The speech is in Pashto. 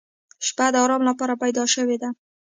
• شپه د آرام لپاره پیدا شوې ده.